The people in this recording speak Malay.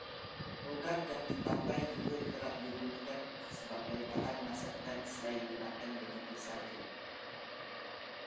Produk yang ditapai juga kerap digunakan sebagai bahan masakan selain dimakan begitu sahaja.